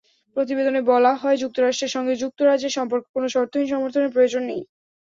প্রতিবেদনে বলা হয়, যুক্তরাষ্ট্রের সঙ্গে যুক্তরাজ্যের সম্পর্কে কোনো শর্তহীন সমর্থনের প্রয়োজন নেই।